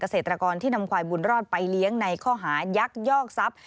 เศรษฐกรที่นำควายบุญรอดไปเลี้ยงในข้อหายักยอกทรัพย์